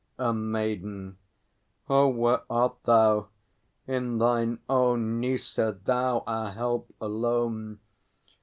A Maiden. Oh, where art thou? In thine own Nysa, thou our help alone?